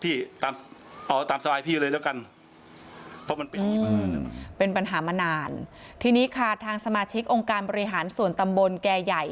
เพราะมันเป็นปัญหามานานเป็นปัญหามานานทีนี้ค่ะทางสมาชิกองค์การบริหารส่วนตำบลแก่ใหญ่